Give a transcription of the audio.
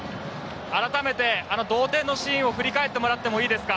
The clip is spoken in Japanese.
あらためて、あの同点のシーンを振り返ってもらってもいいですか。